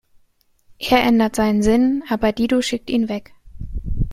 Er ändert seinen Sinn, aber Dido schickt ihn weg.